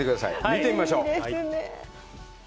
見てみましょう。